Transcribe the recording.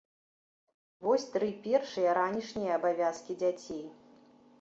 Вось тры першыя ранішнія абавязкі дзяцей.